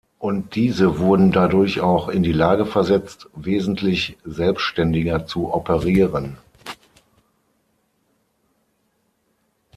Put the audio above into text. Und diese wurden dadurch auch in die Lage versetzt, wesentlich selbständiger zu operieren.